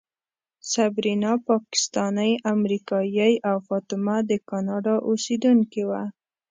صبرینا پاکستانۍ امریکایۍ او فاطمه د کاناډا اوسېدونکې وه.